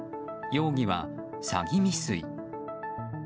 容疑は詐欺未遂。